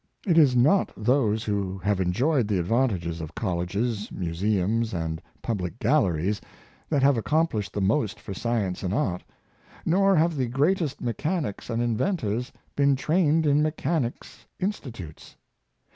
It is not those who have enjoyed the advantages of colleges, musuems, and public galleries, that have accomplished the most for science and art; nor have the greatest mechanics and inventors been trained in mechanics' in stitutes.